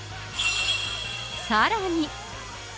さらに。